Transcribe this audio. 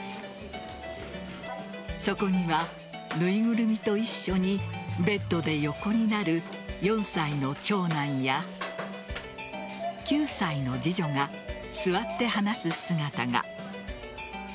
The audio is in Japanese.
そこには縫いぐるみと一緒にベッドで横になる４歳の長男や９歳の次女が座って話す姿が。